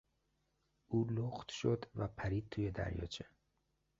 او لخت شد و پرید توی دریاچه.